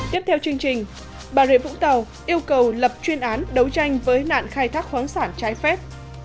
tiếp theo chương trình bà rịa vũng tàu yêu cầu lập chuyên án đấu tranh với nạn khai thác khoáng sản trái phép